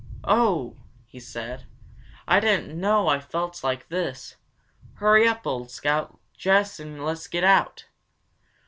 "Oh!" he said, "I didn't know I felt like this! Hurry up, old Scout! Dress and let's get out!"